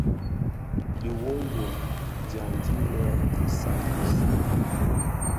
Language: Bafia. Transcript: Dhi wom wom dyaňdi i bisal bize.